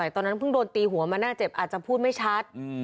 ตอนนั้นเพิ่งโดนตีหัวมาน่าเจ็บอาจจะพูดไม่ชัด